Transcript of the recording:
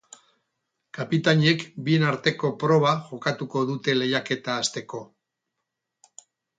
Kapitainek bien arteko proba jokatuko dute lehiaketa hasteko.